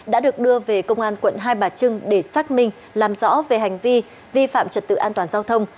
đã được đưa về công an quận hai bà trưng để xác minh làm rõ về hành vi vi phạm trật tự an toàn giao thông